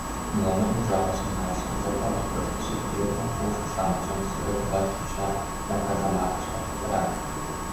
Мландым ужалыше, налше, закладыш пыштыше, пӧлеклан пуышо-шамычым, совет власть куча да казаматышкат петыра.